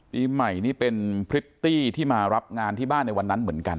ปีใหม่นี่เป็นพริตตี้ที่มารับงานที่บ้านในวันนั้นเหมือนกัน